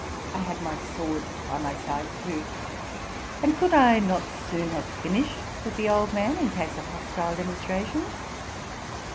I had my sword by my side too; and could I 'not soon have finished with the old man, in case of hostile demonstrations?